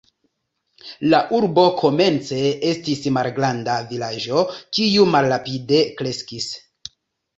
La urbo komence estis malgranda vilaĝo kiu malrapide kreskis.